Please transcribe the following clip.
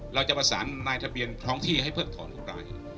เราจะผสาน้านทะเบียนท้องที่ให้เพิ่มถอนพวกร้าย